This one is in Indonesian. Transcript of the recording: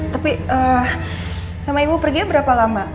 tapi sama ibu perginya berapa lama